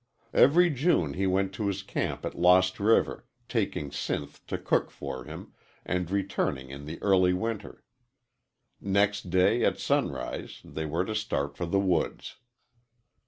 Every June he went to his camp at Lost River, taking Sinth to cook for him, and returning in the early winter. Next day, at sunrise, they were to start for the woods.